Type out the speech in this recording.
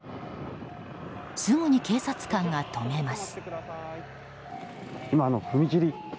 すぐに警察官が止めます。